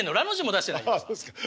あそうですか。